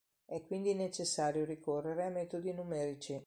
È quindi necessario ricorrere a metodi numerici.